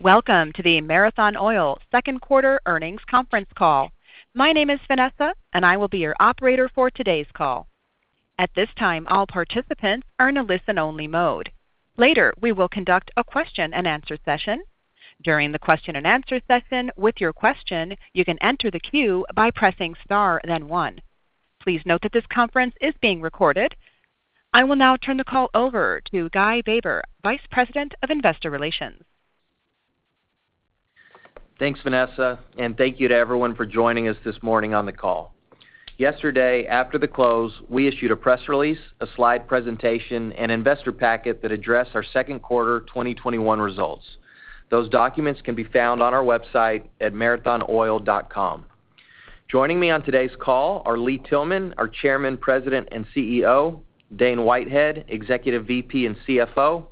Welcome to the Marathon Oil second quarter earnings conference call. My name is Vanessa, and I will be your operator for today's call. At this time, all participants are in a listen-only mode. Later, we will conduct a question-and-answer session. During the question-and-answer session, with your question, you can enter the queue by pressing star then one. Please note that this conference is being recorded. I will now turn the call over to Guy Baber, Vice President of Investor Relations. Thanks, Vanessa. Thank you to everyone for joining us this morning on the call. Yesterday, after the close, we issued a press release, a slide presentation, and investor packet that address our second quarter 2021 results. Those documents can be found on our website at marathonoil.com. Joining me on today's call are Lee Tillman, our Chairman, President, and CEO, Dane Whitehead, Executive VP and CFO,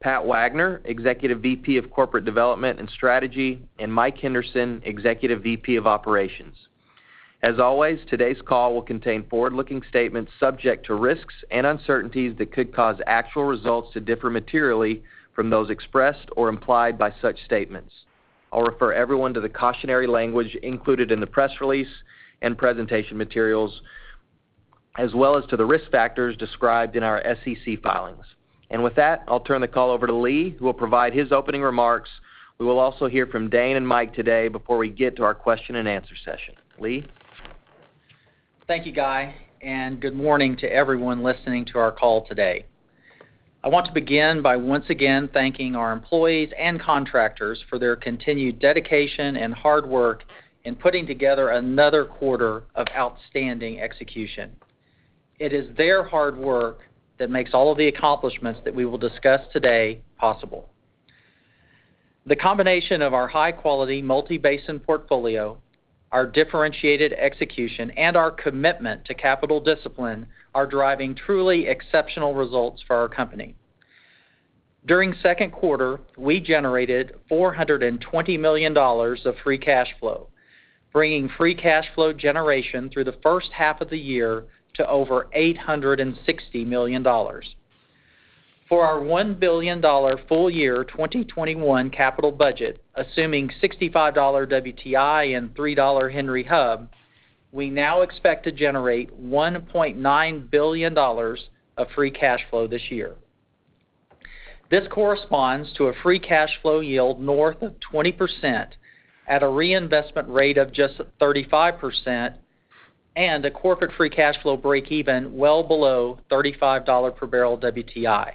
Pat Wagner, Executive VP of Corporate Development and Strategy, and Mike Henderson, Executive VP of Operations. As always, today's call will contain forward-looking statements subject to risks and uncertainties that could cause actual results to differ materially from those expressed or implied by such statements. I'll refer everyone to the cautionary language included in the press release and presentation materials, as well as to the risk factors described in our SEC filings. With that, I'll turn the call over to Lee, who will provide his opening remarks. We will also hear from Dane and Mike today before we get to our question-and-answer session. Lee? Thank you, Guy, and good morning to everyone listening to our call today. I want to begin by once again thanking our employees and contractors for their continued dedication and hard work in putting together another quarter of outstanding execution. It is their hard work that makes all of the accomplishments that we will discuss today possible. The combination of our high-quality multi-basin portfolio, our differentiated execution, and our commitment to capital discipline are driving truly exceptional results for our company. During second quarter, we generated $420 million of free cash flow, bringing free cash flow generation through the first half of the year to over $860 million. For our $1 billion full-year 2021 capital budget, assuming $65 WTI and $3 Henry Hub, we now expect to generate $1.9 billion of free cash flow this year. This corresponds to a free cash flow yield north of 20% at a reinvestment rate of just 35% and a corporate free cash flow breakeven well below $35 per barrel WTI.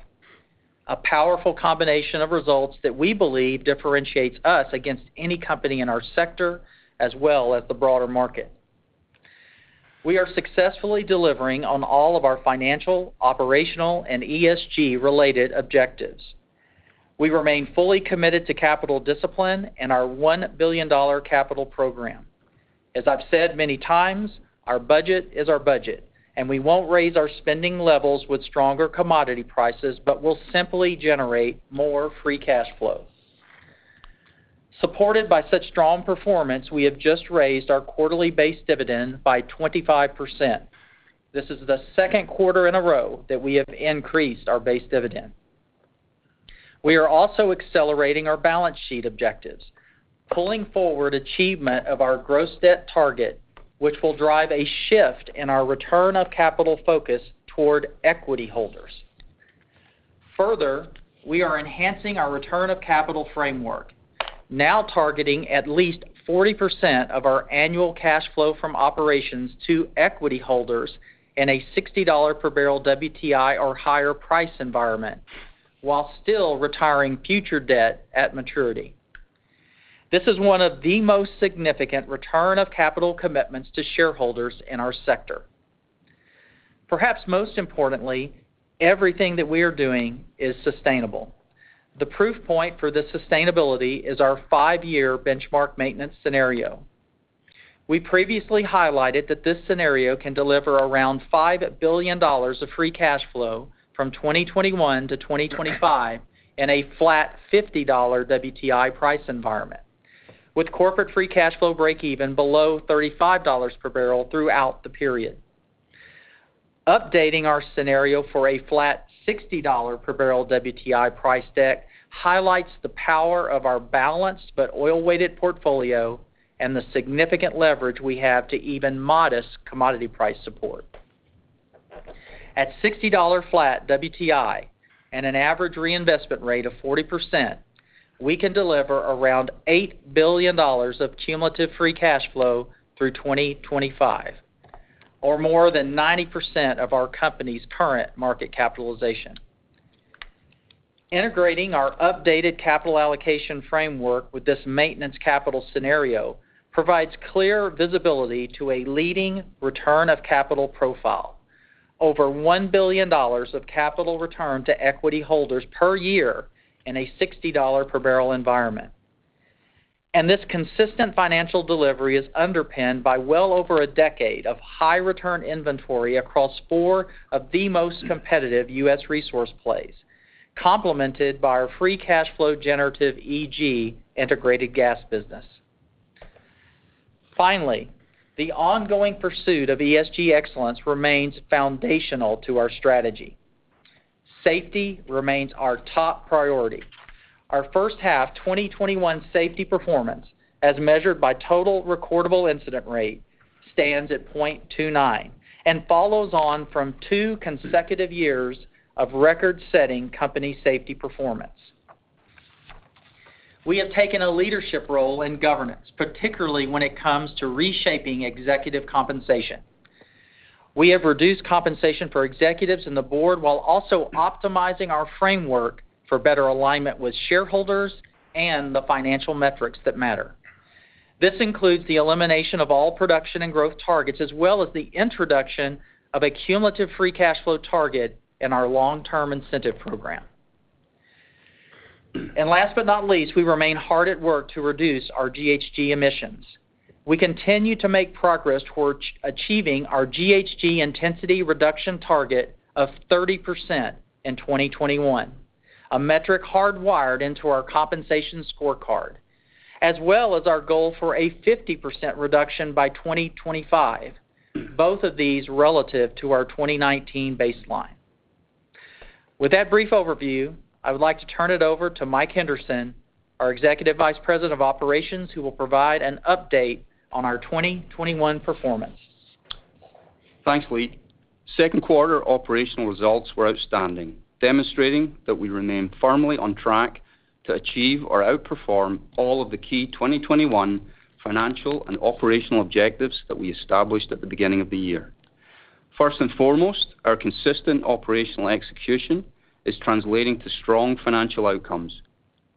A powerful combination of results that we believe differentiates us against any company in our sector as well as the broader market. We are successfully delivering on all of our financial, operational, and ESG-related objectives. We remain fully committed to capital discipline and our $1 billion capital program. As I've said many times, our budget is our budget, and we won't raise our spending levels with stronger commodity prices, but we'll simply generate more free cash flow. Supported by such strong performance, we have just raised our quarterly base dividend by 25%. This is the second quarter in a row that we have increased our base dividend. We are also accelerating our balance sheet objectives, pulling forward achievement of our gross debt target, which will drive a shift in our return of capital focus toward equity holders. Further, we are enhancing our return of capital framework, now targeting at least 40% of our annual cash flow from operations to equity holders in a $60 per barrel WTI or higher price environment while still retiring future debt at maturity. This is one of the most significant return of capital commitments to shareholders in our sector. Perhaps most importantly, everything that we are doing is sustainable. The proof point for this sustainability is our five-year benchmark maintenance scenario. We previously highlighted that this scenario can deliver around $5 billion of free cash flow from 2021-2025 in a flat $50 WTI price environment with corporate free cash flow breakeven below $35 per barrel throughout the period. Updating our scenario for a flat $60 per barrel WTI price deck highlights the power of our balanced but oil-weighted portfolio and the significant leverage we have to even modest commodity price support. At $60 flat WTI and an average reinvestment rate of 40%, we can deliver around $8 billion of cumulative free cash flow through 2025, or more than 90% of our company's current market capitalization. Integrating our updated capital allocation framework with this maintenance capital scenario provides clear visibility to a leading return of capital profile, over $1 billion of capital return to equity holders per year in a $60 per barrel environment. This consistent financial delivery is underpinned by well over a decade of high-return inventory across four of the most competitive U.S. resource plays, complemented by our free cash flow generative EG integrated gas business. Finally, the ongoing pursuit of ESG excellence remains foundational to our strategy. Safety remains our top priority. Our first half 2021 safety performance, as measured by total recordable incident rate, stands at 0.29 and follows on from two consecutive years of record-setting company safety performance. We have taken a leadership role in governance, particularly when it comes to reshaping executive compensation. We have reduced compensation for executives and the board while also optimizing our framework for better alignment with shareholders and the financial metrics that matter. This includes the elimination of all production and growth targets, as well as the introduction of a cumulative free cash flow target in our long-term incentive program. Last but not least, we remain hard at work to reduce our GHG emissions. We continue to make progress towards achieving our GHG intensity reduction target of 30% in 2021, a metric hardwired into our compensation scorecard, as well as our goal for a 50% reduction by 2025, both of these relative to our 2019 baseline. With that brief overview, I would like to turn it over to Mike Henderson, our Executive Vice President of Operations, who will provide an update on our 2021 performance. Thanks, Lee. Second quarter operational results were outstanding, demonstrating that we remain firmly on track to achieve or outperform all of the key 2021 financial and operational objectives that we established at the beginning of the year. First and foremost, our consistent operational execution is translating to strong financial outcomes.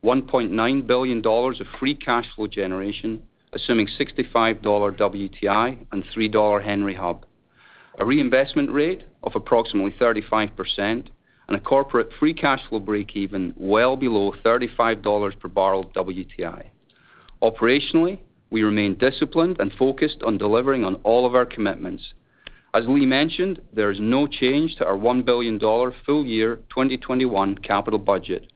$1.9 billion of free cash flow generation, assuming $65 WTI and $3 Henry Hub, a reinvestment rate of approximately 35%, and a corporate free cash flow break even well below $35 per barrel of WTI. Operationally, we remain disciplined and focused on delivering on all of our commitments. As Lee mentioned, there is no change to our $1 billion full-year 2021 capital budget.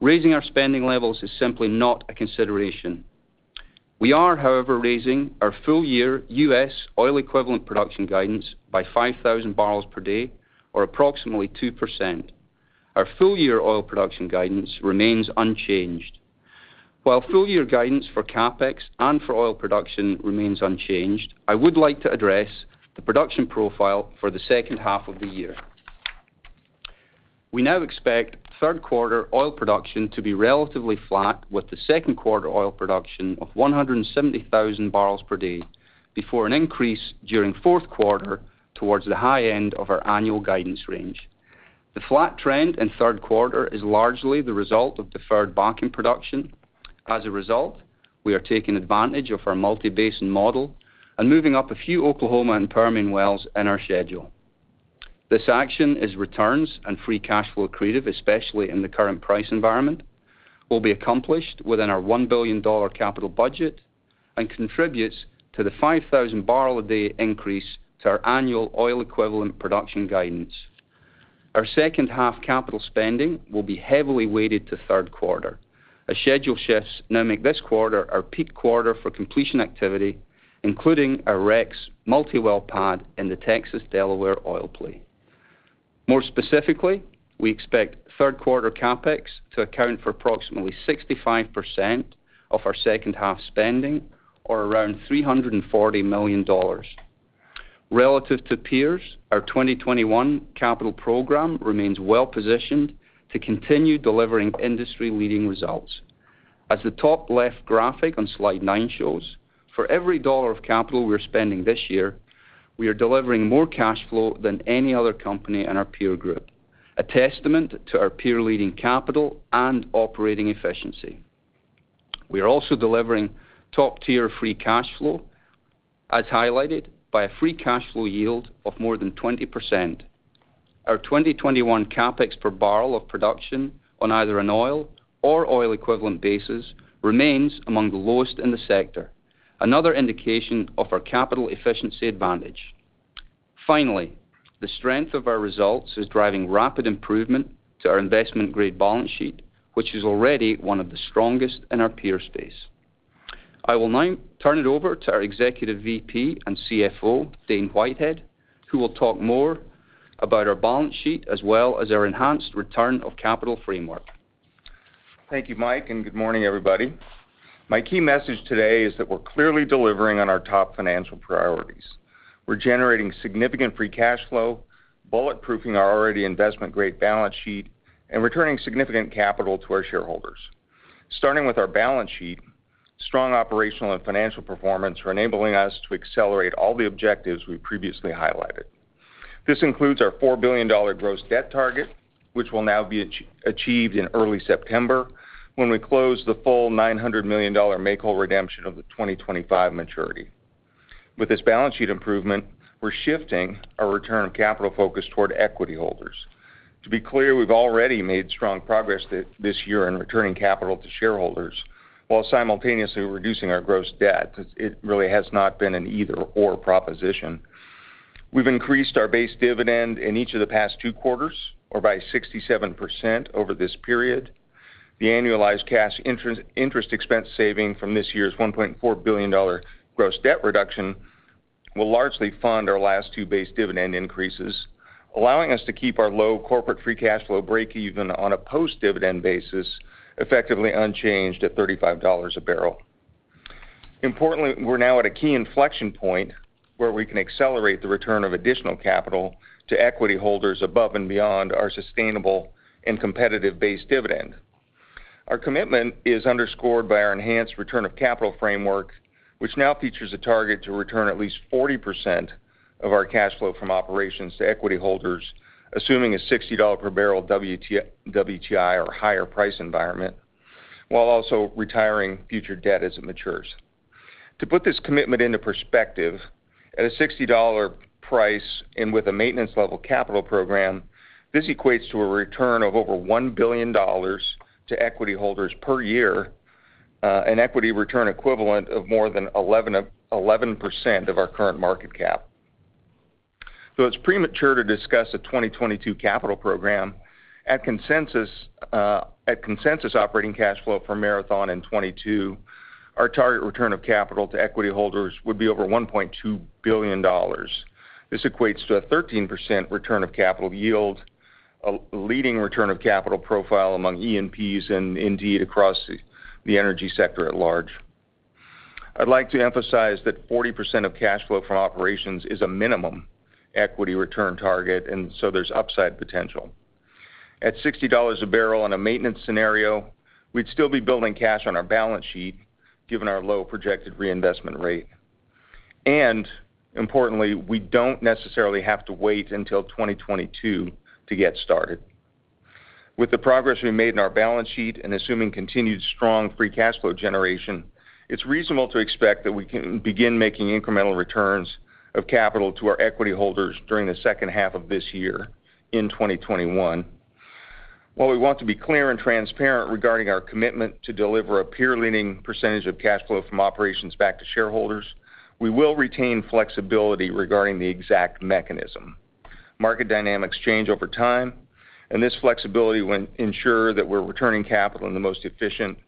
Raising our spending levels is simply not a consideration. We are, however, raising our full-year U.S. oil equivalent production guidance by 5,000 barrels per day, or approximately 2%. Our full-year oil production guidance remains unchanged. While full-year guidance for CapEx and for oil production remains unchanged, I would like to address the production profile for the second half of the year. We now expect third quarter oil production to be relatively flat with the second quarter oil production of 170,000 barrels per day before an increase during fourth quarter towards the high end of our annual guidance range. The flat trend in third quarter is largely the result of deferred Bakken production. As a result, we are taking advantage of our multi-basin model and moving up a few Oklahoma and Permian wells in our schedule. This action is returns and free cash flow accretive, especially in the current price environment, will be accomplished within our $1 billion capital budget and contributes to the 5,000 barrel a day increase to our annual oil equivalent production guidance. Our second half capital spending will be heavily weighted to third quarter, as schedule shifts now make this quarter our peak quarter for completion activity, including a REX multi-well pad in the Texas Delaware oil play. More specifically, we expect third quarter CapEx to account for approximately 65% of our second half spending, or around $340 million. Relative to peers, our 2021 capital program remains well-positioned to continue delivering industry-leading results. As the top left graphic on slide nine shows, for every dollar of capital we're spending this year, we are delivering more cash flow than any other company in our peer group, a testament to our peer-leading capital and operating efficiency. We are also delivering top-tier free cash flow, as highlighted by a free cash flow yield of more than 20%. Our 2021 CapEx per barrel of production on either an oil or oil equivalent basis remains among the lowest in the sector, another indication of our capital efficiency advantage. Finally, the strength of our results is driving rapid improvement to our investment-grade balance sheet, which is already one of the strongest in our peer space. I will now turn it over to our Executive VP and CFO, Dane Whitehead, who will talk more about our balance sheet as well as our enhanced return of capital framework. Thank you, Mike. Good morning, everybody. My key message today is that we're clearly delivering on our top financial priorities. We're generating significant free cash flow, bulletproofing our already investment-grade balance sheet, and returning significant capital to our shareholders. Starting with our balance sheet, strong operational and financial performance are enabling us to accelerate all the objectives we previously highlighted. This includes our $4 billion gross debt target, which will now be achieved in early September when we close the full $900 million make-whole redemption of the 2025 maturity. With this balance sheet improvement, we're shifting our return of capital focus toward equity holders. To be clear, we've already made strong progress this year in returning capital to shareholders while simultaneously reducing our gross debt. It really has not been an either/or proposition. We've increased our base dividend in each of the past two quarters, or by 67% over this period. The annualized cash interest expense saving from this year's $1.4 billion gross debt reduction will largely fund our last two base dividend increases, allowing us to keep our low corporate free cash flow breakeven on a post-dividend basis, effectively unchanged at $35 a barrel. Importantly, we're now at a key inflection point where we can accelerate the return of additional capital to equity holders above and beyond our sustainable and competitive base dividend. Our commitment is underscored by our enhanced return of capital framework, which now features a target to return at least 40% of our cash flow from operations to equity holders, assuming a $60 per barrel WTI or higher price environment, while also retiring future debt as it matures. To put this commitment into perspective, at a $60 price and with a maintenance level capital program, this equates to a return of over $1 billion to equity holders per year, an equity return equivalent of more than 11% of our current market cap. Though it's premature to discuss a 2022 capital program, at consensus operating cash flow for Marathon in 2022, our target return of capital to equity holders would be over $1.2 billion. This equates to a 13% return of capital yield, a leading return of capital profile among E&Ps. Indeed across the energy sector at large, I'd like to emphasize that 40% of cash flow from operations is a minimum equity return target. There's upside potential. At $60 a barrel on a maintenance scenario, we'd still be building cash on our balance sheet given our low projected reinvestment rate. Importantly, we don't necessarily have to wait until 2022 to get started. With the progress we've made in our balance sheet and assuming continued strong free cash flow generation, it's reasonable to expect that we can begin making incremental returns of capital to our equity holders during the second half of this year in 2021. While we want to be clear and transparent regarding our commitment to deliver a peer-leading percentage of cash flow from operations back to shareholders, we will retain flexibility regarding the exact mechanism. Market dynamics change over time, this flexibility will ensure that we're returning capital in the most efficient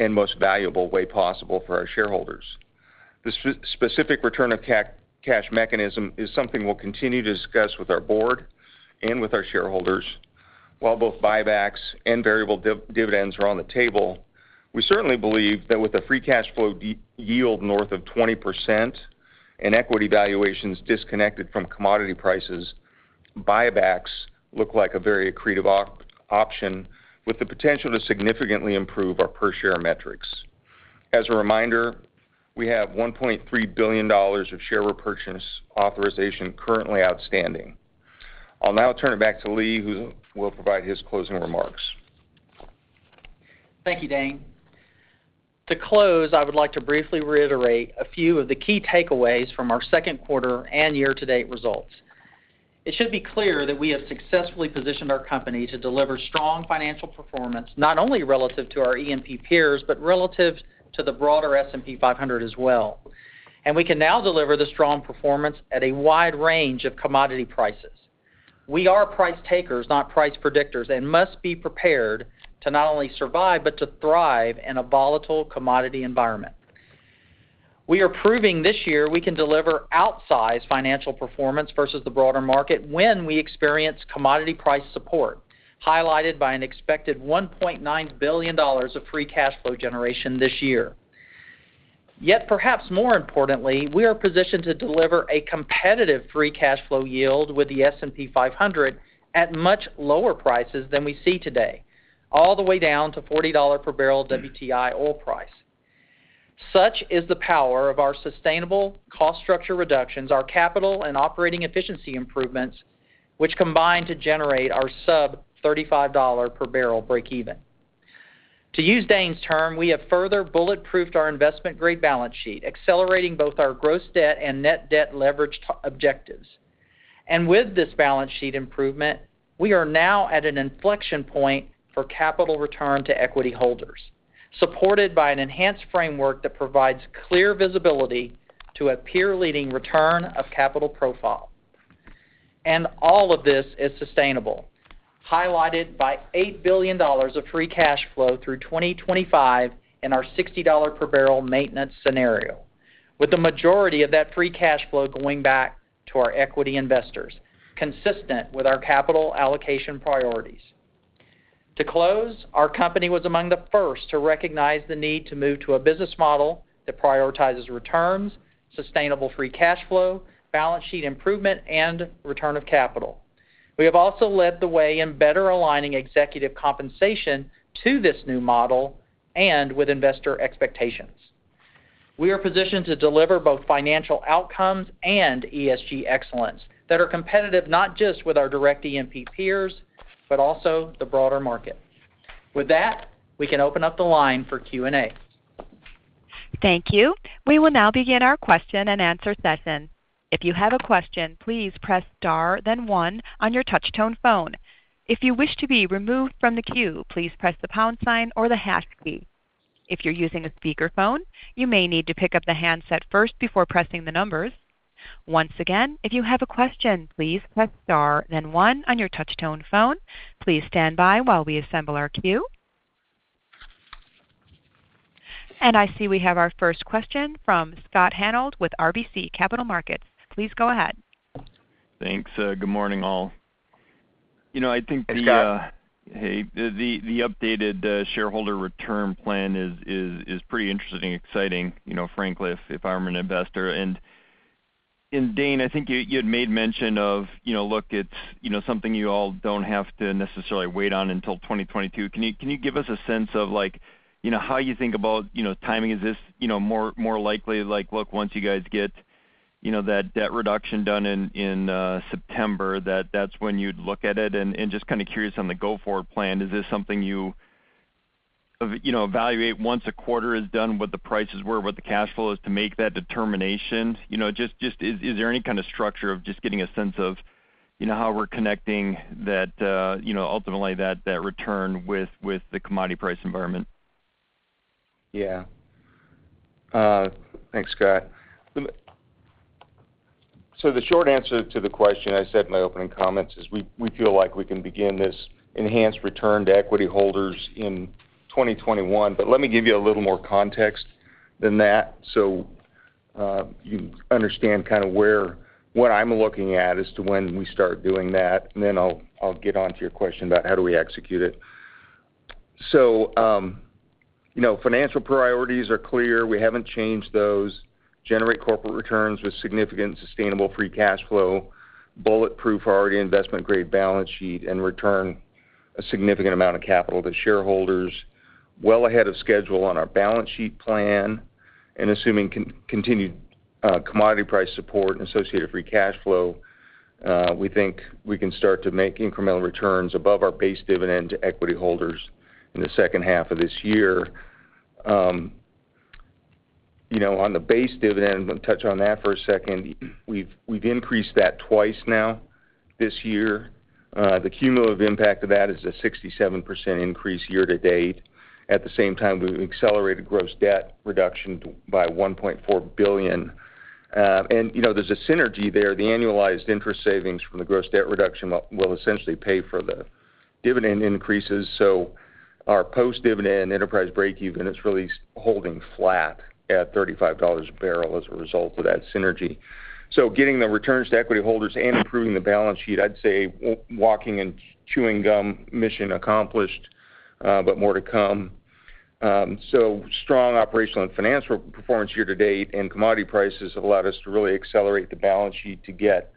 and most valuable way possible for our shareholders. The specific return of cash mechanism is something we'll continue to discuss with our board and with our shareholders. While both buybacks and variable dividends are on the table, we certainly believe that with a free cash flow yield north of 20% and equity valuations disconnected from commodity prices, buybacks look like a very accretive option with the potential to significantly improve our per-share metrics. As a reminder, we have $1.3 billion of share repurchase authorization currently outstanding. I'll now turn it back to Lee, who will provide his closing remarks. Thank you, Dane. To close, I would like to briefly reiterate a few of the key takeaways from our second quarter and year-to-date results. It should be clear that we have successfully positioned our company to deliver strong financial performance, not only relative to our E&P peers, but relative to the broader S&P 500 as well. We can now deliver the strong performance at a wide range of commodity prices. We are price takers, not price predictors, and must be prepared to not only survive, but to thrive in a volatile commodity environment. We are proving this year we can deliver outsized financial performance versus the broader market when we experience commodity price support, highlighted by an expected $1.9 billion of free cash flow generation this year. Yet, perhaps more importantly, we are positioned to deliver a competitive free cash flow yield with the S&P 500 at much lower prices than we see today, all the way down to $40 per barrel WTI oil price. Such is the power of our sustainable cost structure reductions, our capital and operating efficiency improvements, which combine to generate our sub-$35 per barrel breakeven. To use Dane's term, we have further bulletproofed our investment-grade balance sheet, accelerating both our gross debt and net debt leverage objectives. With this balance sheet improvement, we are now at an inflection point for capital return to equity holders, supported by an enhanced framework that provides clear visibility to a peer-leading return of capital profile. All of this is sustainable, highlighted by $8 billion of free cash flow through 2025 in our $60 per barrel maintenance scenario, with the majority of that free cash flow going back to our equity investors, consistent with our capital allocation priorities. To close, our company was among the first to recognize the need to move to a business model that prioritizes returns, sustainable free cash flow, balance sheet improvement, and return of capital. We have also led the way in better aligning executive compensation to this new model and with investor expectations. We are positioned to deliver both financial outcomes and ESG excellence that are competitive, not just with our direct E&P peers, but also the broader market. With that, we can open up the line for Q&A. Thank you. We will now begin our question-and-answer session. If you have a question, please press star then one on your touch-tone phone. If you wish to be removed from the queue, please press the pound sign or the hash key. If you're using a speakerphone, you may need to pick up the handset first before pressing the numbers. Once again, if you have a question, please press star then one on your touchtone phone. Please stand by while we assemble our queue. I see we have our first question from Scott Hanold with RBC Capital Markets. Please go ahead. Thanks. Good morning, all. Hey, Scott. Hey. The updated shareholder return plan is pretty interesting, exciting, frankly, if I'm an investor. Dane, I think you had made mention of, look, it's something you all don't have to necessarily wait on until 2022. Can you give us a sense of how you think about timing? Is this more likely like, look, once you guys get that debt reduction done in September, that that's when you'd look at it? Just kind of curious on the go-forward plan, is this something you evaluate once a quarter is done, what the prices were, what the cash flow is to make that determination? Is there any kind of structure of just getting a sense of how we're connecting that ultimately that return with the commodity price environment? Yeah. Thanks, Scott. The short answer to the question I said in my opening comments is we feel like we can begin this enhanced return to equity holders in 2021, but let me give you a little more context than that so you understand where what I'm looking at as to when we start doing that, and then I'll get onto your question about how do we execute it. Financial priorities are clear. We haven't changed those. Generate corporate returns with significant sustainable free cash flow, bulletproof our investment-grade balance sheet, and return a significant amount of capital to shareholders well ahead of schedule on our balance sheet plan. Assuming continued commodity price support and associated free cash flow, we think we can start to make incremental returns above our base dividend to equity holders in the second half of this year. On the base dividend, I'm going to touch on that for a second, we've increased that twice now this year. The cumulative impact of that is a 67% increase year to date. At the same time, we've accelerated gross debt reduction by $1.4 billion. There's a synergy there. The annualized interest savings from the gross debt reduction will essentially pay for the dividend increases. Our post-dividend enterprise breakeven is really holding flat at $35 a barrel as a result of that synergy. Getting the returns to equity holders and improving the balance sheet, I'd say walking and chewing gum, mission accomplished, but more to come. Strong operational and financial performance year to date and commodity prices have allowed us to really accelerate the balance sheet to get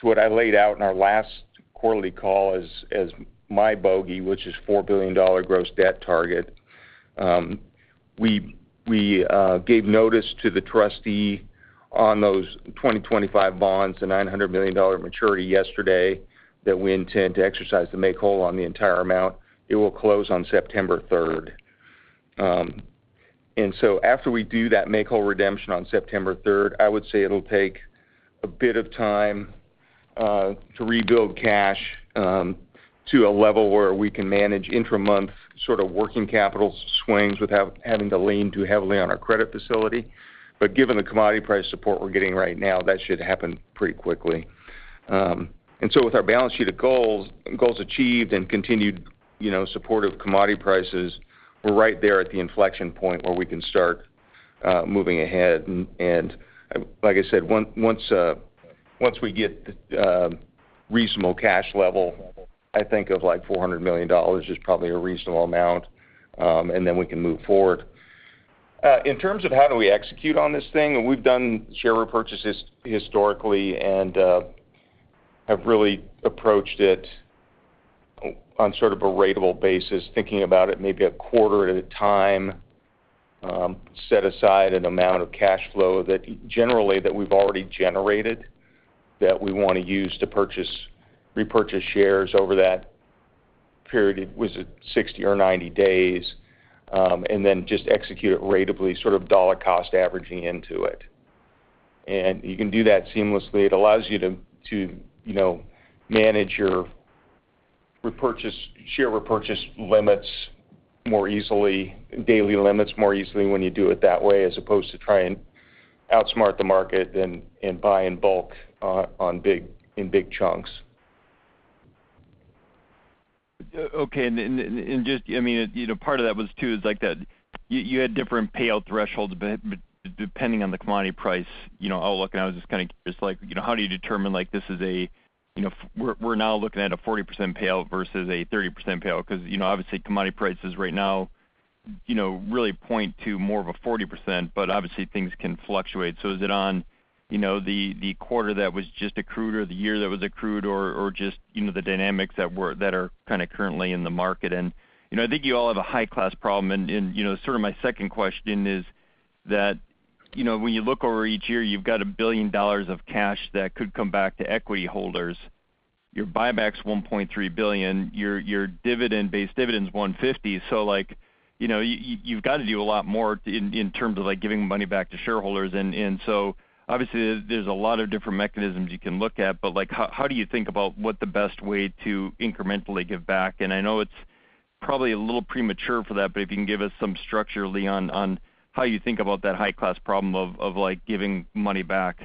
to what I laid out in our last quarterly call as my bogey, which is $4 billion gross debt target. We gave notice to the trustee on those 2025 bonds, the $900 million maturity yesterday, that we intend to exercise the make whole on the entire amount. It will close on September 3rd. After we do that make whole redemption on September 3rd, I would say it'll take a bit of time to rebuild cash to a level where we can manage intra-month sort of working capital swings without having to lean too heavily on our credit facility. Given the commodity price support we're getting right now, that should happen pretty quickly. With our balance sheet of goals achieved and continued supportive commodity prices, we're right there at the inflection point where we can start moving ahead. Like I said, once we get reasonable cash level, I think of like $400 million is probably a reasonable amount, then we can move forward. In terms of how do we execute on this thing, we've done share repurchases historically, have really approached it on sort of a ratable basis, thinking about it maybe a quarter at a time. Set aside an amount of cash flow that generally we've already generated that we want to use to repurchase shares over that period. Was it 60 or 90 days? Then just execute it ratably, sort of dollar cost averaging into it. You can do that seamlessly. It allows you to manage your share repurchase limits more easily, daily limits more easily when you do it that way, as opposed to try and outsmart the market and buy in bulk in big chunks. Okay. Part of that was too, you had different payout thresholds depending on the commodity price outlook, and I was just kind of curious, how do you determine we're now looking at a 40% payout versus a 30% payout? Obviously commodity prices right now really point to more of a 40%, but obviously things can fluctuate. Is it on the quarter that was just accrued or the year that was accrued or just the dynamics that are currently in the market? I think you all have a high-class problem, and sort of my second question is that when you look over each year, you've got $1 billion of cash that could come back to equity holders. Your buyback's $1.3 billion, your dividend-based dividend's $150 million, so you've got to do a lot more in terms of giving money back to shareholders. Obviously there's a lot of different mechanisms you can look at, but how do you think about what the best way to incrementally give back? I know it's probably a little premature for that, but if you can give us some structure, Lee, on how you think about that high-class problem of giving money back.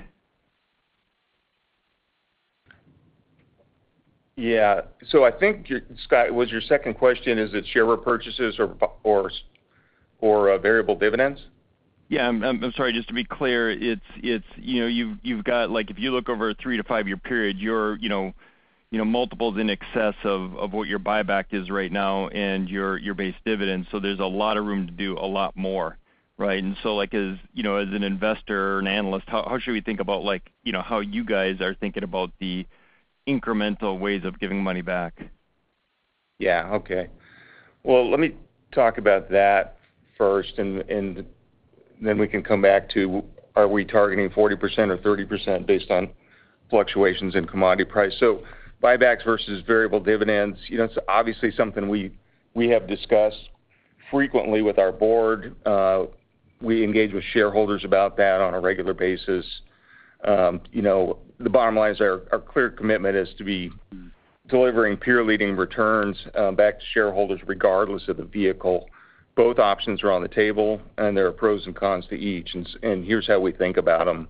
Yeah. I think, Scott, was your second question, is it share repurchases or variable dividends? Yeah. I'm sorry, just to be clear, if you look over a three to five-year period, your multiple's in excess of what your buyback is right now and your base dividend. There's a lot of room to do a lot more, right? As an investor or an analyst, how should we think about how you guys are thinking about the incremental ways of giving money back? Yeah. Okay. Well, let me talk about that first, then we can come back to, are we targeting 40% or 30% based on fluctuations in commodity price? Buybacks versus variable dividends, it's obviously something we have discussed frequently with our board. We engage with shareholders about that on a regular basis. The bottom line is our clear commitment is to be delivering peer-leading returns back to shareholders regardless of the vehicle. Both options are on the table, there are pros and cons to each, here's how we think about them.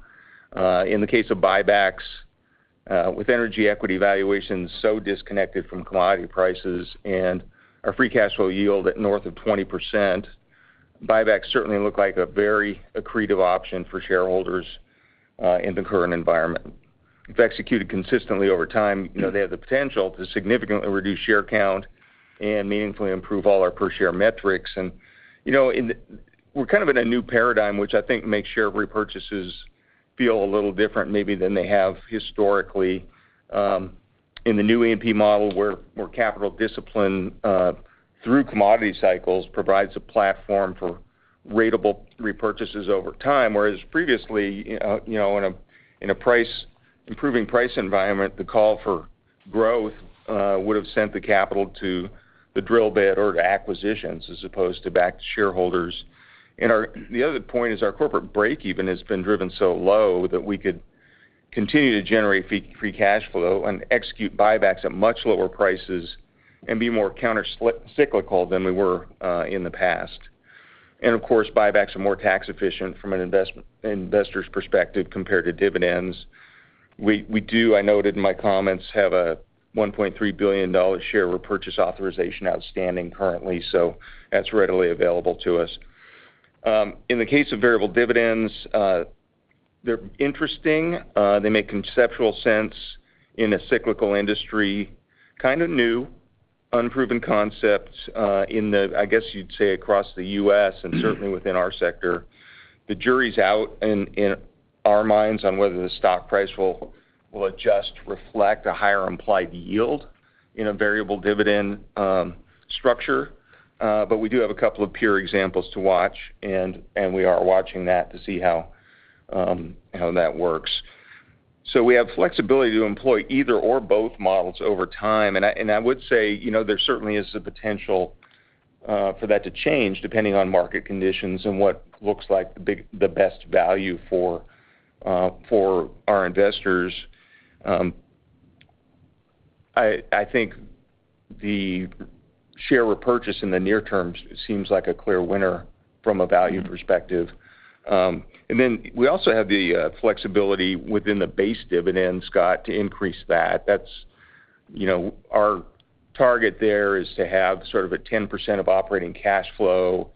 In the case of buybacks, with energy equity valuations so disconnected from commodity prices and our free cash flow yield at north of 20%, buybacks certainly look like a very accretive option for shareholders in the current environment. If executed consistently over time, they have the potential to significantly reduce share count and meaningfully improve all our per-share metrics. We're in a new paradigm, which I think makes share repurchases feel a little different maybe than they have historically. In the new P model, where capital discipline through commodity cycles provides a platform for ratable repurchases over time, whereas previously, in an improving price environment, the call for growth would've sent the capital to the drill bit or to acquisitions, as opposed to back to shareholders. The other point is our corporate breakeven has been driven so low that we could continue to generate free cash flow and execute buybacks at much lower prices and be more counter-cyclical than we were in the past. Of course, buybacks are more tax efficient from an investor's perspective compared to dividends. We do, I noted in my comments, have a $1.3 billion share repurchase authorization outstanding currently, so that's readily available to us. In the case of variable dividends, they're interesting. They make conceptual sense in a cyclical industry. Kind of new, unproven concepts in the, I guess you'd say, across the U.S. and certainly within our sector. The jury's out in our minds on whether the stock price will adjust to reflect a higher implied yield in a variable dividend structure. We do have a couple of peer examples to watch, and we are watching that to see how that works. We have flexibility to employ either or both models over time. I would say, there certainly is the potential for that to change depending on market conditions and what looks like the best value for our investors. I think the share repurchase in the near term seems like a clear winner from a value perspective. We also have the flexibility within the base dividend, Scott, to increase that. Our target there is to have sort of a 10% of operating cash flow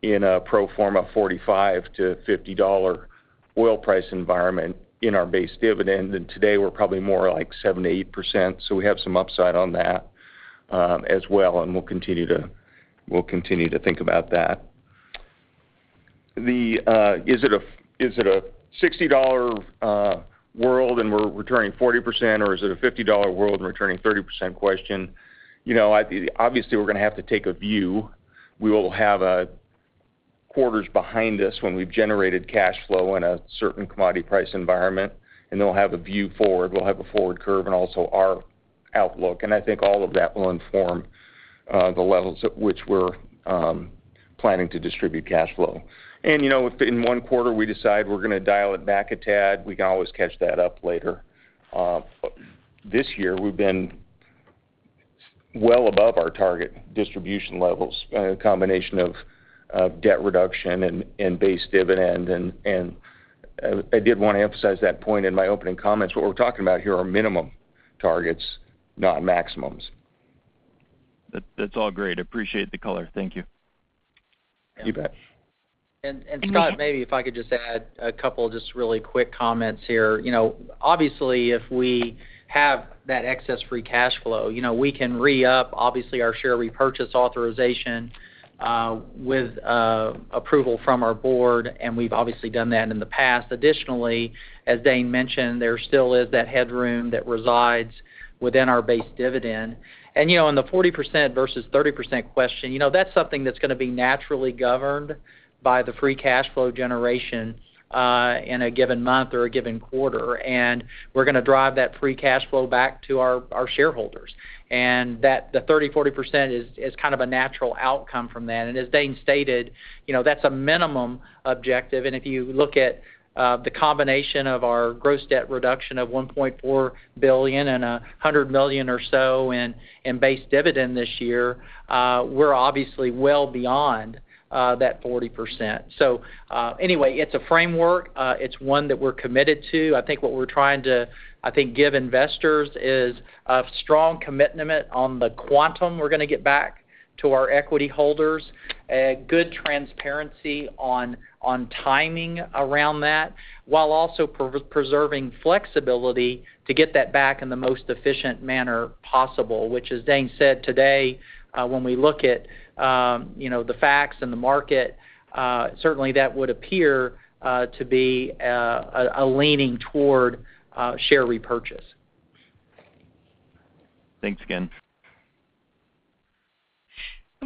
in a pro forma $45-$50 oil price environment in our base dividend. Today, we're probably more like 7%-8%, so we have some upside on that as well, and we'll continue to think about that. Is it a $60 world and we're returning 40%, or is it a $50 world and we're returning 30% question? Obviously, we're going to have to take a view. We will have quarters behind us when we've generated cash flow in a certain commodity price environment, and then we'll have a view forward. We'll have a forward curve and also our outlook. I think all of that will inform the levels at which we're planning to distribute cash flow. If in one quarter we decide we're going to dial it back a tad, we can always catch that up later. This year, we've been well above our target distribution levels by a combination of debt reduction and base dividend. I did want to emphasize that point in my opening comments. What we're talking about here are minimum targets, not maximums. That's all great. Appreciate the color. Thank you. You bet. Scott, maybe if I could just add a couple of just really quick comments here. Obviously, if we have that excess free cash flow, we can re-up, obviously, our share repurchase authorization with approval from our board. We've obviously done that in the past. Additionally, as Dane mentioned, there still is that headroom that resides within our base dividend. On the 40% versus 30% question, that's something that's going to be naturally governed by the free cash flow generation in a given month or a given quarter. We're going to drive that free cash flow back to our shareholders. The 30%, 40% is kind of a natural outcome from that. As Dane stated, that's a minimum objective, and if you look at the combination of our gross debt reduction of $1.4 billion and $100 million or so in base dividend this year, we're obviously well beyond that 40%. Anyway, it's a framework. It's one that we're committed to. I think what we're trying to give investors is a strong commitment on the quantum we're going to get back to our equity holders, a good transparency on timing around that, while also preserving flexibility to get that back in the most efficient manner possible, which as Dane said today, when we look at the facts and the market, certainly that would appear to be a leaning toward share repurchase. Thanks again.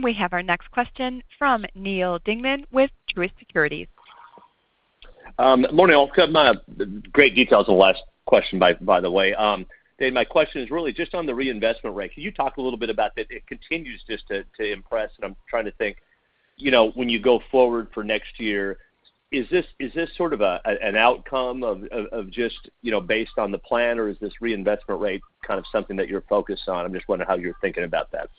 We have our next question from Neal Dingmann with Truist Securities. Morning all. Great details on the last question, by the way. Dane, my question is really just on the reinvestment rate. Can you talk a little bit about that? It continues just to impress. I'm trying to think, when you go forward for next year, is this sort of an outcome of just based on the plan, or is this reinvestment rate kind of something that you're focused on? I'm just wondering how you're thinking about that.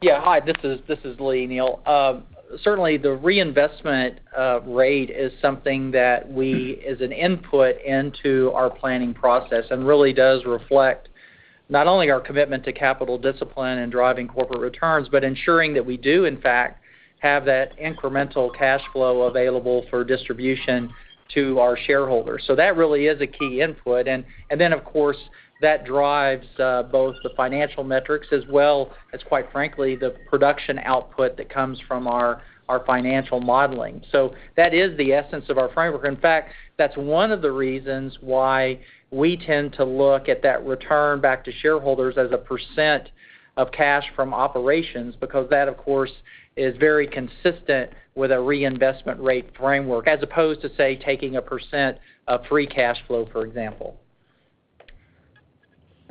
Yeah. Hi, this is Lee, Neal. Certainly, the reinvestment rate is something that we, as an input into our planning process, and really does reflect not only our commitment to capital discipline and driving corporate returns, but ensuring that we do, in fact, have that incremental cash flow available for distribution to our shareholders. That really is a key input. Then of course, that drives both the financial metrics as well as, quite frankly, the production output that comes from our financial modeling. That is the essence of our framework. In fact, that's one of the reasons why we tend to look at that return back to shareholders as a percent of cash from operations, because that, of course, is very consistent with a reinvestment rate framework, as opposed to, say, taking a percent of free cash flow, for example.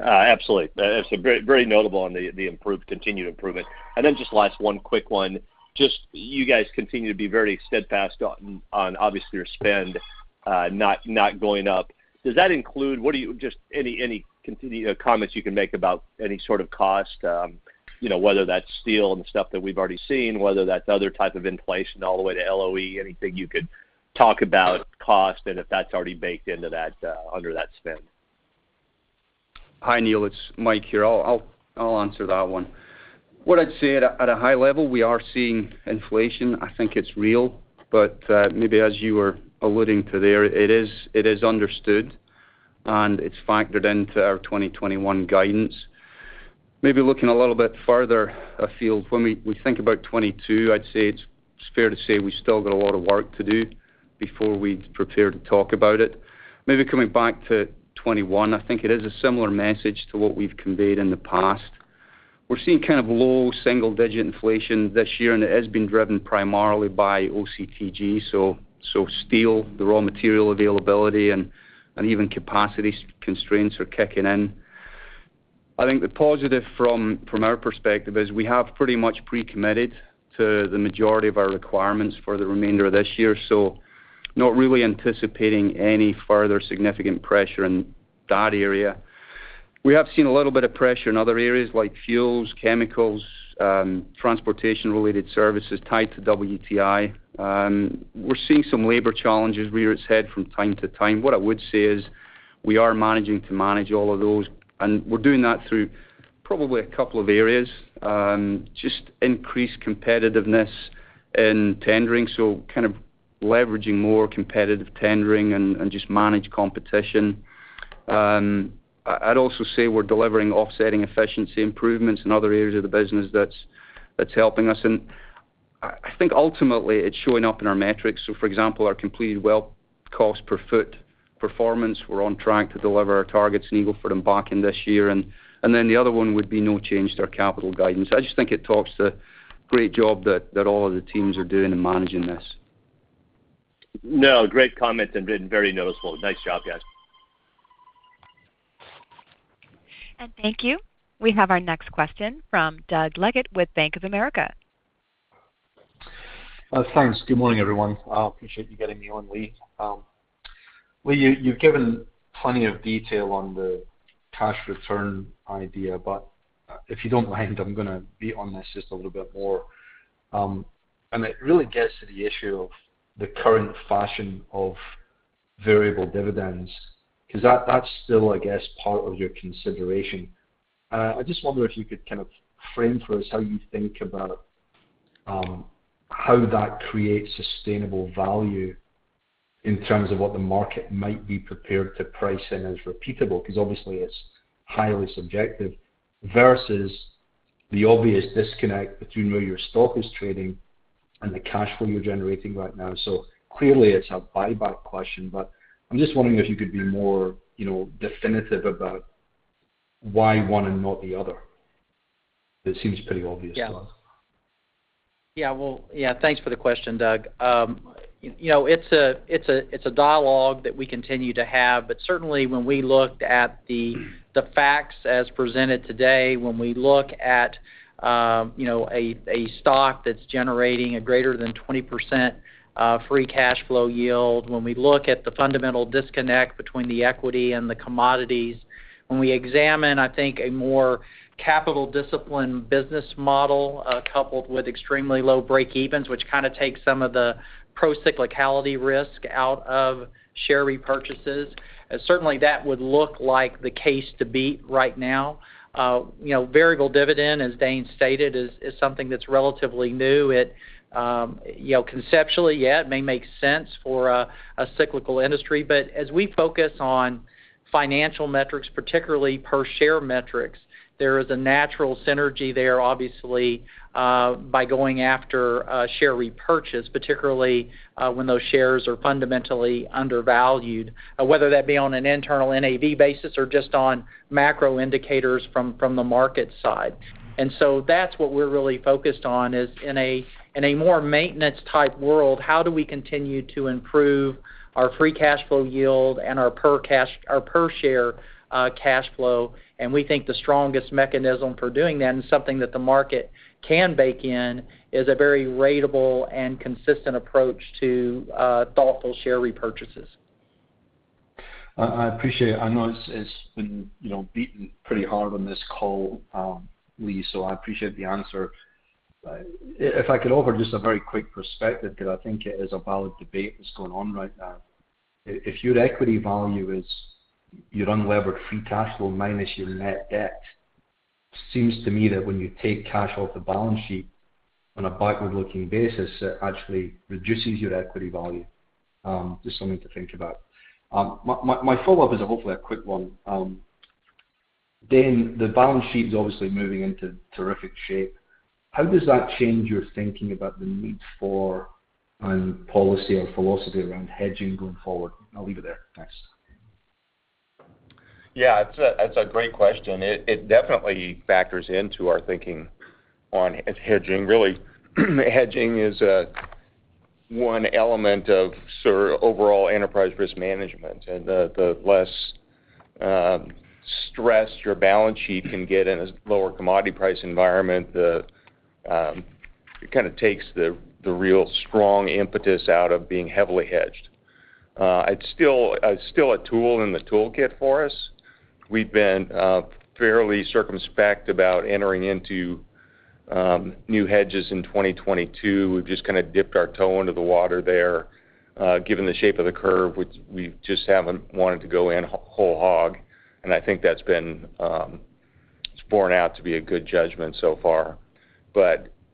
Absolutely. That's very notable on the continued improvement. Just last one quick one. You guys continue to be very steadfast on obviously your spend not going up. Does that include, just any continued comments you can make about any sort of cost, whether that's steel and the stuff that we've already seen, whether that's other type of inflation, all the way to LOE, anything you could talk about cost and if that's already baked into that under that spend? Hi, Neal, it's Mike here. I'll answer that one. What I'd say at a high level, we are seeing inflation. I think it's real, but maybe as you were alluding to there, it is understood, and it's factored into our 2021 guidance. Maybe looking a little bit farther afield, when we think about 2022, I'd say it's fair to say we still got a lot of work to do before we prepare to talk about it. Maybe coming back to 2021, I think it is a similar message to what we've conveyed in the past. We're seeing kind of low single-digit inflation this year, and it has been driven primarily by OCTG, so steel, the raw material availability, and even capacity constraints are kicking in. I think the positive from our perspective is we have pretty much pre-committed to the majority of our requirements for the remainder of this year. Not really anticipating any further significant pressure in that area. We have seen a little bit of pressure in other areas like fuels, chemicals, transportation-related services tied to WTI. We're seeing some labor challenges rear its head from time to time. What I would say is we are managing to manage all of those, and we're doing that through probably a couple of areas. Just increased competitiveness in tendering, kind of leveraging more competitive tendering and just manage competition. I'd also say we're delivering offsetting efficiency improvements in other areas of the business that's helping us. I think ultimately it's showing up in our metrics. For example, our completed well cost per foot performance, we're on track to deliver our targets in Eagle Ford and Bakken this year. The other one would be no change to our capital guidance. I just think it talks to great job that all of the teams are doing in managing this. No, great comment and been very noticeable. Nice job, guys. Thank you. We have our next question from Doug Leggate with Bank of America. Thanks. Good morning, everyone. I appreciate you getting me on, Lee. Lee, you've given plenty of detail on the cash return idea, but if you don't mind, I'm going to be on this just a little bit more. It really gets to the issue of the current fashion of variable dividends, because that's still, I guess, part of your consideration. I just wonder if you could kind of frame for us how you think about how that creates sustainable value in terms of what the market might be prepared to price in as repeatable. Obviously it's highly subjective versus the obvious disconnect between where your stock is trading and the cash flow you're generating right now. Clearly it's a buyback question, but I'm just wondering if you could be more definitive about why one and not the other. It seems pretty obvious to us. Yeah. Well, thanks for the question, Doug. It's a dialogue that we continue to have. Certainly when we looked at the facts as presented today, when we look at a stock that's generating a greater than 20% free cash flow yield, when we look at the fundamental disconnect between the equity and the commodities. When we examine, I think, a more capital discipline business model coupled with extremely low breakevens, which kind of takes some of the pro-cyclicality risk out of share repurchases, certainly that would look like the case to beat right now. Variable dividend, as Dane stated, is something that's relatively new. Conceptually, yeah, it may make sense for a cyclical industry, but as we focus on financial metrics, particularly per share metrics, there is a natural synergy there, obviously, by going after share repurchase, particularly when those shares are fundamentally undervalued, whether that be on an internal NAV basis or just on macro indicators from the market side. That's what we're really focused on is in a more maintenance type world, how do we continue to improve our free cash flow yield and our per share cash flow? We think the strongest mechanism for doing that, and something that the market can bake in, is a very ratable and consistent approach to thoughtful share repurchases. I appreciate. I know it's been beaten pretty hard on this call, Lee, so I appreciate the answer. If I could offer just a very quick perspective, because I think it is a valid debate that's going on right now. If your equity value is your unlevered free cash flow minus your net debt, seems to me that when you take cash off the balance sheet on a backward-looking basis, it actually reduces your equity value. Just something to think about. My follow-up is hopefully a quick one. Dane, the balance sheet's obviously moving into terrific shape. How does that change your thinking about the need for policy or philosophy around hedging going forward? I'll leave it there. Thanks. Yeah. It's a great question. It definitely factors into our thinking on hedging, really. Hedging is one element of overall enterprise risk management. The less stressed your balance sheet can get in a lower commodity price environment, it kind of takes the real strong impetus out of being heavily hedged. It's still a tool in the toolkit for us. We've been fairly circumspect about entering into new hedges in 2022. We've just kind of dipped our toe into the water there. Given the shape of the curve, we just haven't wanted to go in whole hog, and I think that's borne out to be a good judgment so far.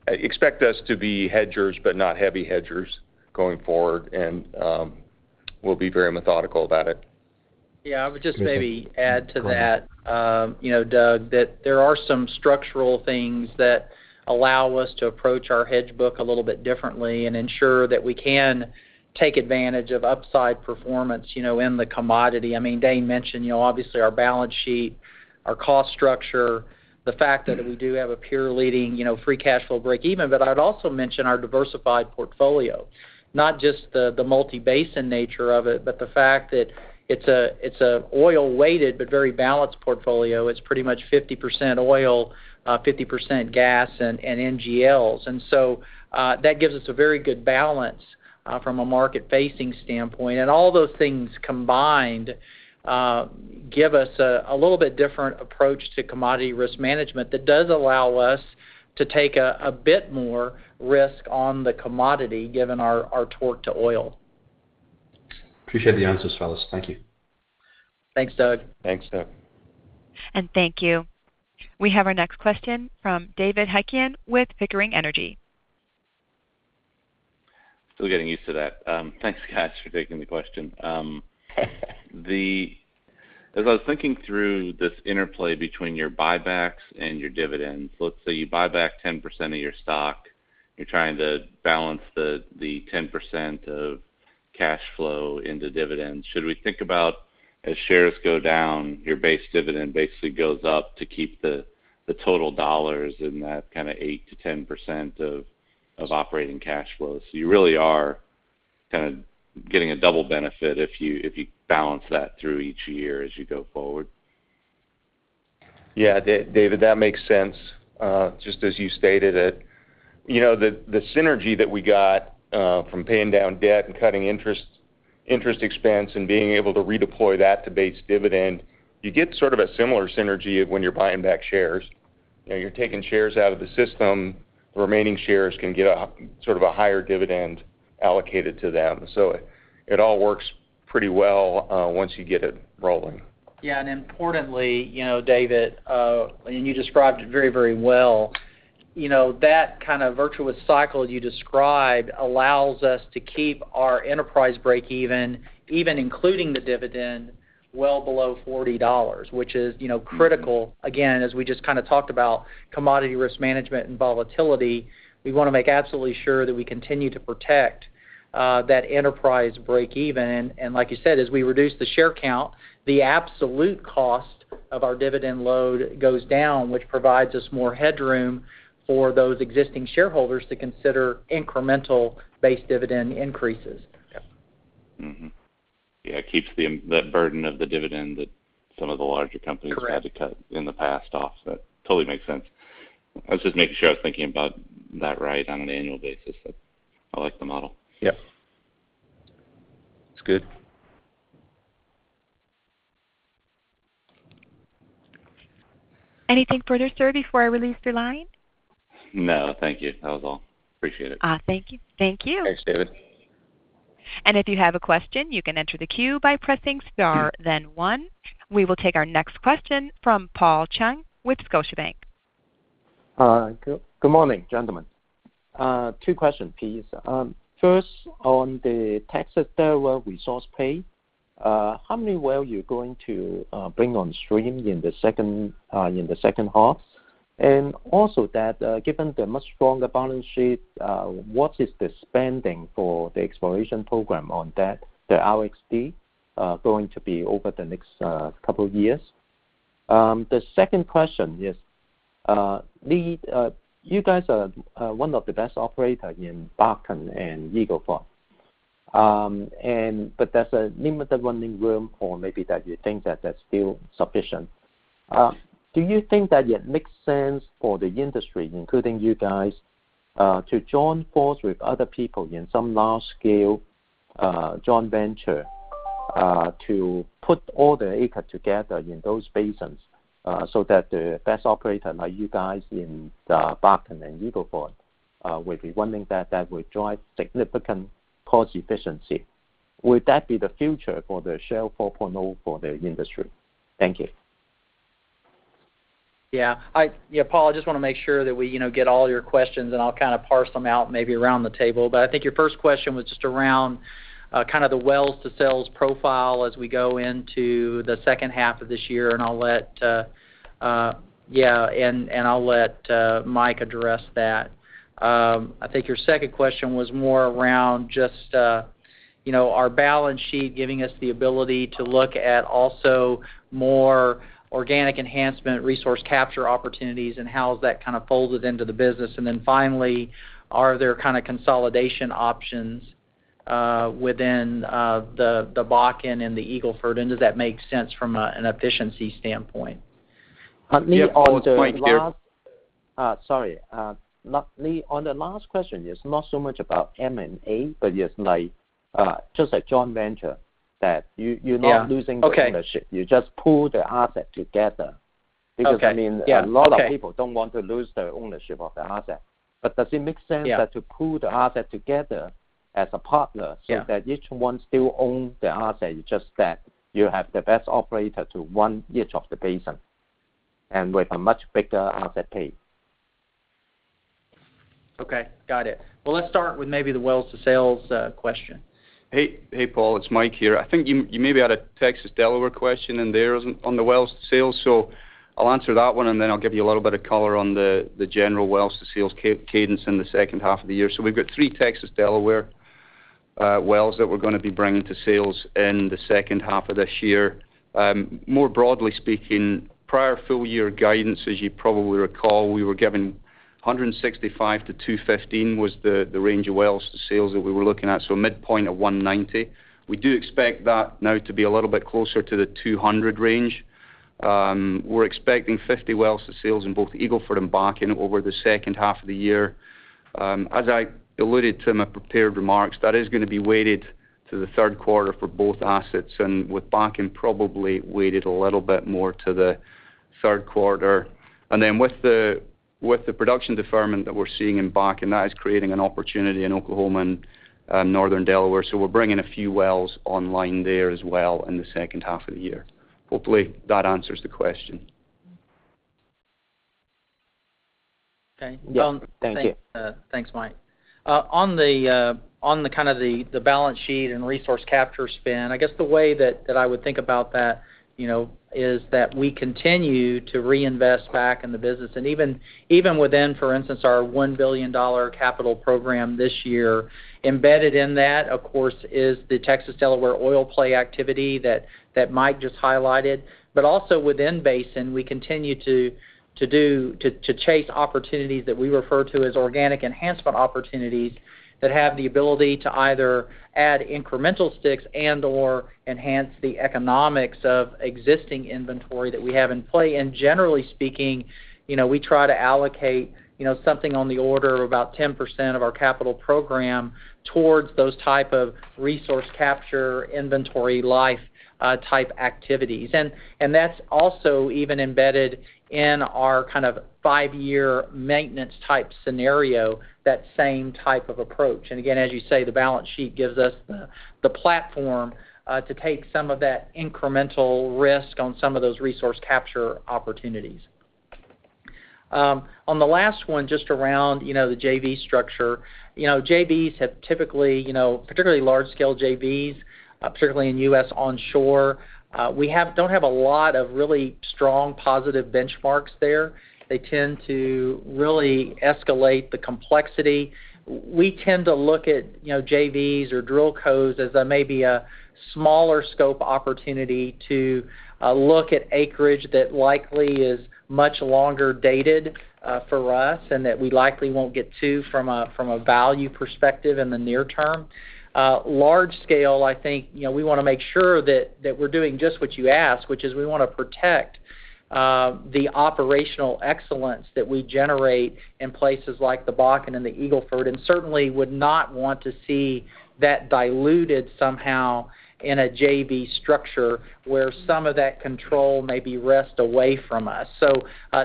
Expect us to be hedgers, but not heavy hedgers going forward, and we'll be very methodical about it. Yeah. I would just maybe add to that, Doug, that there are some structural things that allow us to approach our hedge book a little bit differently and ensure that we can take advantage of upside performance in the commodity. Dane mentioned, obviously, our balance sheet, our cost structure, the fact that we do have a peer-leading free cash flow breakeven. I'd also mention our diversified portfolio. Not just the multi-basin nature of it, but the fact that it's an oil-weighted but very balanced portfolio. It's pretty much 50% oil, 50% gas and NGLs. That gives us a very good balance from a market-facing standpoint. All those things combined give us a little bit different approach to commodity risk management that does allow us to take a bit more risk on the commodity, given our torque to oil. Appreciate the answers, fellas. Thank you. Thanks, Doug. Thanks, Doug. Thank you. We have our next question from David Heikkinen with Pickering Energy. Still getting used to that. Thanks, guys, for taking the question. As I was thinking through this interplay between your buybacks and your dividends, let's say you buy back 10% of your stock, you're trying to balance the 10% of cash flow into dividends. Should we think about as shares go down, your base dividend basically goes up to keep the total dollars in that kind of 8%-10% of operating cash flow? You really are kind of getting a double benefit if you balance that through each year as you go forward. Yeah. David, that makes sense. Just as you stated it. The synergy that we got from paying down debt and cutting interest expense and being able to redeploy that to base dividend, you get sort of a similar synergy of when you're buying back shares. You're taking shares out of the system, the remaining shares can get sort of a higher dividend allocated to them. It all works pretty well once you get it rolling. Yeah. Importantly, David, and you described it very well, that kind of virtuous cycle you described allows us to keep our enterprise breakeven, even including the dividend, well below $40, which is critical. Again, as we just kind of talked about commodity risk management and volatility, we want to make absolutely sure that we continue to protect that enterprise breakeven. Like you said, as we reduce the share count, the absolute cost of our dividend load goes down, which provides us more headroom for those existing shareholders to consider incremental base dividend increases. Yeah. Yeah, it keeps that burden of the dividend that some of the larger companies. Correct had to cut in the past off, so it totally makes sense. I was just making sure I was thinking about that right on an annual basis. I like the model. Yeah. It's good. Anything further, sir, before I release your line? No, thank you. That was all. Appreciate it. Thank you. Thanks, David. If you have a question, you can enter the queue by pressing star then one. We will take our next question from Paul Cheng with Scotiabank. Good morning, gentlemen. Two question, please. First, on the Texas Delaware resource play, how many wells you're going to bring on stream in the second half? Also that, given the much stronger balance sheet, what is the spending for the exploration program on that, going to be over the next couple of years? The second question is, Lee, you guys are one of the best operator in Bakken and Eagle Ford. There's a limited running room or maybe that you think that that's still sufficient. Do you think that it makes sense for the industry, including you guys, to join force with other people in some large-scale joint venture to put all the acre together in those basins so that the best operator like you guys in the Bakken and Eagle Ford will be wondering that that will drive significant cost efficiency? Would that be the future for the Shale 4.0 for the industry? Thank you. Paul, I just want to make sure that we get all your questions. I'll parse them out, maybe around the table. I think your first question was just around the wells to sales profile as we go into the second half of this year, and I'll let Mike address that. I think your second question was more around just our balance sheet giving us the ability to look at also more organic enhancement resource capture opportunities, and how is that folded into the business. Finally, are there consolidation options within the Bakken and the Eagle Ford? Does that make sense from an efficiency standpoint? Lee, Yeah, Paul, it's Mike here. Sorry. Lee, on the last question, it's not so much about M&A, but just like joint venture that you're not- Yeah. Okay. losing the ownership. You just pool the asset together. Okay. Yeah. A lot of people don't want to lose their ownership of the asset. Does it make sense? Yeah that to pool the asset together as a partner. Yeah That each one still own the asset, it's just that you have the best operator to run each of the basin, and with a much bigger asset base? Okay, got it. Well, let's start with maybe the wells to sales question. Hey, Paul. It's Mike here. I think you maybe had a Texas Delaware question in there on the wells to sales, so I'll answer that one, and then I'll give you a little bit of color on the general wells to sales cadence in the second half of the year. We've got three Texas Delaware wells that we're going to be bringing to sales in the second half of this year. More broadly speaking, prior full year guidance, as you probably recall, we were given 165-215 was the range of wells to sales that we were looking at. A midpoint of 190. We do expect that now to be a little bit closer to the 200 range. We're expecting 50 wells to sales in both Eagle Ford and Bakken over the second half of the year. As I alluded to in my prepared remarks, that is going to be weighted to the third quarter for both assets, with Bakken probably weighted a little bit more to the third quarter. With the production deferment that we're seeing in Bakken, that is creating an opportunity in Oklahoma and Northern Delaware. We're bringing a few wells online there as well in the second half of the year. Hopefully, that answers the question. Okay, yeah. Thank you. Thanks, Mike. On the balance sheet and resource capture spend, I guess the way that I would think about that is that we continue to reinvest back in the business. Even within, for instance, our $1 billion capital program this year, embedded in that, of course, is the Texas Delaware oil play activity that Mike just highlighted. Also within basin, we continue to chase opportunities that we refer to as organic enhancement opportunities that have the ability to either add incremental sticks and/or enhance the economics of existing inventory that we have in play. Generally speaking, we try to allocate something on the order of about 10% of our capital program towards those type of resource capture, inventory life type activities. That's also even embedded in our five-year maintenance type scenario, that same type of approach. Again, as you say, the balance sheet gives us the platform to take some of that incremental risk on some of those resource capture opportunities. On the last one, just around the JV structure. JVs have typically, particularly large scale JVs, particularly in U.S. onshore, we don't have a lot of really strong positive benchmarks there. They tend to really escalate the complexity. We tend to look at JVs or drillcos as maybe a smaller scope opportunity to look at acreage that likely is much longer dated for us and that we likely won't get to from a value perspective in the near term. Large scale, I think, we want to make sure that we're doing just what you asked, which is we want to protect the operational excellence that we generate in places like the Bakken and the Eagle Ford, and certainly would not want to see that diluted somehow in a JV structure where some of that control may be wrest away from us.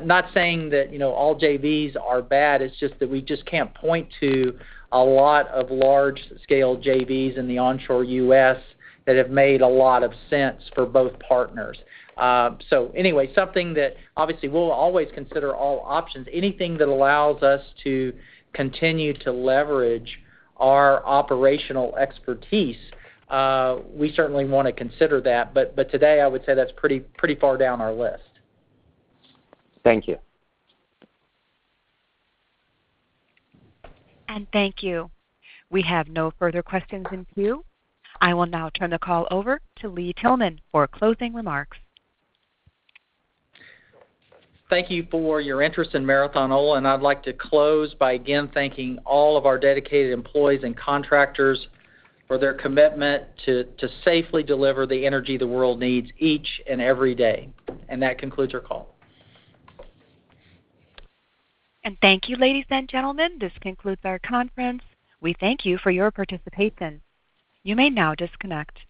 Not saying that all JVs are bad, it's just that we just can't point to a lot of large-scale JVs in the onshore U.S. that have made a lot of sense for both partners. Anyway, something that obviously we'll always consider all options. Anything that allows us to continue to leverage our operational expertise, we certainly want to consider that. Today, I would say that's pretty far down our list. Thank you. Thank you. We have no further questions in queue. I will now turn the call over to Lee Tillman for closing remarks. Thank you for your interest in Marathon Oil. I'd like to close by again thanking all of our dedicated employees and contractors for their commitment to safely deliver the energy the world needs each and every day. That concludes our call. Thank you, ladies and gentlemen. This concludes our conference. We thank you for your participation. You may now disconnect.